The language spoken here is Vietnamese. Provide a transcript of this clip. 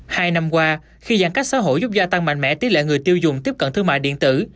hai năm qua khi giãn cách xã hội giúp gia tăng mạnh mẽ tỷ lệ người tiêu dùng tiếp cận thương mại điện tử